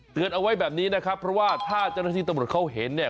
เอาไว้แบบนี้นะครับเพราะว่าถ้าเจ้าหน้าที่ตำรวจเขาเห็นเนี่ย